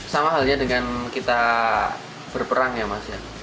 sama halnya dengan kita berperang ya mas ya